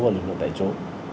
và lực lượng tại chỗ